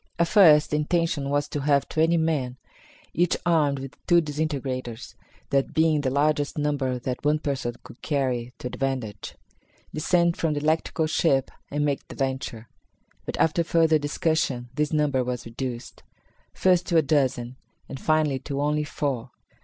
At first the intention was to have twenty men, each armed with two disintegrators (that being the largest number that one person could carry to advantage) descend from the electrical ship and make the venture. But, after further discussion, this number was reduced; first to a dozen, and finally, to only four.